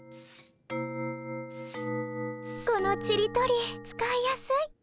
このちり取り使いやすい。